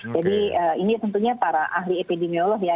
jadi ini tentunya para ahli epidemiolog ya